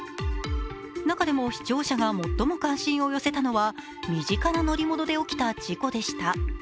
中でも視聴者が最も関心を寄せたのは、身近な乗り物で起きた事故でした。